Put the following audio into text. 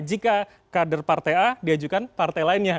jika kader partai a diajukan partai lainnya